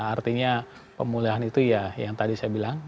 artinya pemulihan itu ya yang tadi saya bilang